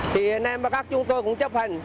thì anh em ba các chúng tôi cũng chấp hành